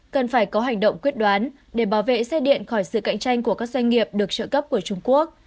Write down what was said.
cần phải có hành động quyết đoán để bảo vệ xe điện khỏi sự cạnh tranh của các doanh nghiệp được trợ cấp của trung quốc